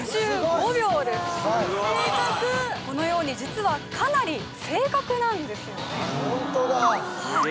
このように実はかなり正確なんですよね